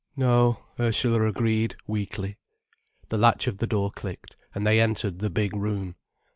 "No," Ursula agreed, weakly. The latch of the door clicked, and they entered the big room.